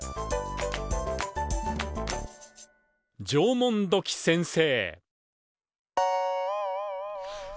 「縄文土器先生」。